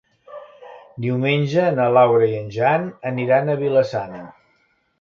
Diumenge na Laura i en Jan aniran a Vila-sana.